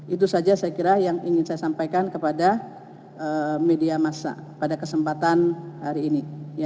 itu saja saya kira yang ingin saya sampaikan kepada media masa pada kesempatan hari ini